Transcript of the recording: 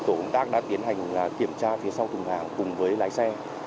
tổ công tác đã tiến hành kiểm tra phía sau thùng hàng cùng với lái xe